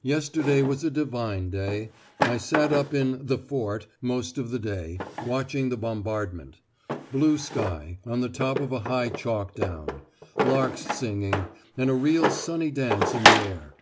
Yesterday was a divine day. I sat up in 'the Fort' most of the day, watching the bombardment. Blue sky, on the top of a high chalk down; larks singing; and a real sunny dance in the air.